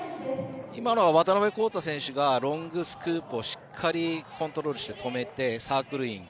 今のは渡辺晃大選手がロングスクープをしっかりコントロールして止めてサークルイン。